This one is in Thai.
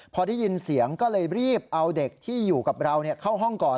พอได้ยินเสียงก็เลยรีบเอาเด็กที่อยู่กับเราเข้าห้องก่อน